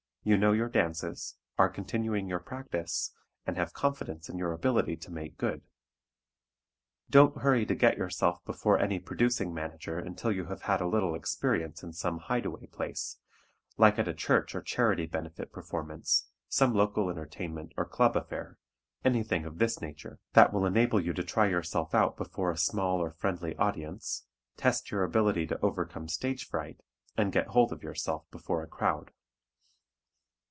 You know your dances, are continuing your practice, and have confidence in your ability to make good. Don't hurry to get yourself before any producing manager until you have had a little experience in some hideaway place, like at a church or charity benefit performance, some local entertainment, or club affair, anything of this nature, that will enable you to try yourself out before a small or friendly audience, test your ability to overcome stage fright, and get hold of yourself before a crowd.